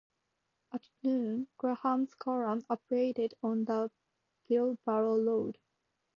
At noon, Graham's column appeared on the Bilbao road.